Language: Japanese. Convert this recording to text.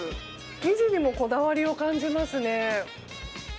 生地にもこだわりを感じますね。